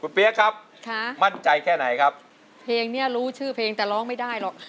เปี๊ยกครับค่ะมั่นใจแค่ไหนครับเพลงเนี้ยรู้ชื่อเพลงแต่ร้องไม่ได้หรอก